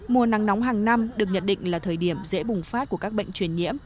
mùa nắng nóng hàng năm được nhận định là thời điểm dễ bùng phát của các bệnh truyền nhiễm